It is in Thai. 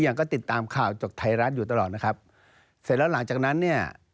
ยังก็ติดตามข่าวจากไทยรัฐอยู่ตลอดนะครับเสร็จแล้วหลังจากนั้นเนี่ย